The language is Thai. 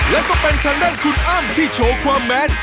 และก็เป็นทางด้านคุณอ้ำที่โชว์ความแม้น